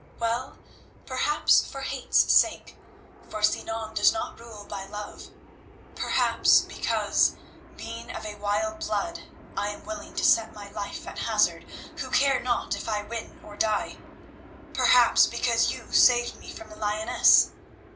Well, perhaps for hate's sake, for Sinan does not rule by love; perhaps because, being of a wild blood, I am willing to set my life at hazard, who care not if I win or die; perhaps because you saved me from the lioness.